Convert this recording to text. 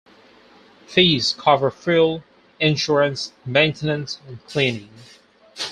Fees cover fuel, insurance, maintenance, and cleaning.